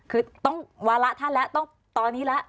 คือต้องวาระท่านแล้วต้องตอนนี้แล้ว